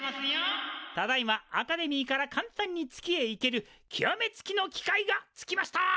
ただいまアカデミーから簡単に月へ行けるきわめつきの機械がツキました！